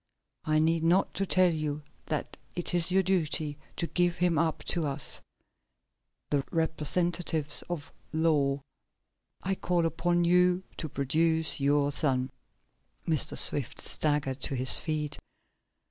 I need not tell you that it is your duty to give him up to us the representatives of the law. I call upon you to produce your son." Mr. Swift staggered to his feet.